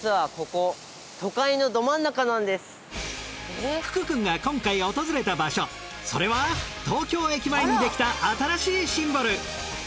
でも福くんが今回訪れた場所それは東京駅前にできた新しいシンボル。